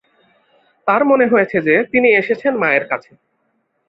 তার মনে হয়েছে যে, তিনি এসেছেন মায়ের কাছে।